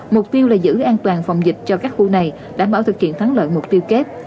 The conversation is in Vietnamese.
mục tiêu là giữ an toàn phòng dịch cho các khu này đảm bảo thực hiện thắng lợi mục tiêu kép